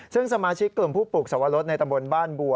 ซึ่งสมาชิกกลุ่มผู้ปลูกสวรสในตำบลบ้านบัว